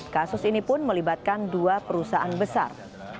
kasus ini pun melibatkan dua perusahaan besar